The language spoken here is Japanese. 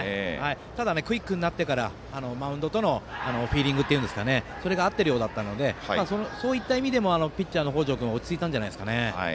ただ、クイックになってからマウンドとのフィーリングといういんですかねそれが合ってるようだったのでそういった意味でもピッチャーの北條君は落ち着いたんじゃないでしょうか。